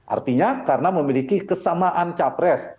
artinya karena memiliki kesamaan capres